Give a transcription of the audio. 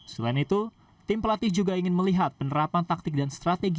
selain itu tim pelatih juga ingin melihat penerapan taktik dan strategi